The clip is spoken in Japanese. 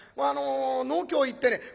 あの農協へ行ってね